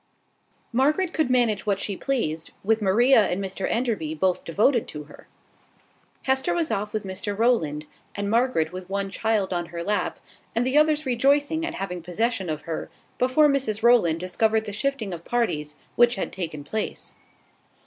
Margaret could manage what she pleased, with Maria and Mr Enderby both devoted to her. Hester was off with Mr Rowland, and Margaret with one child on her lap, and the others rejoicing at having possession of her, before Mrs Rowland discovered the shifting of parties which had taken place.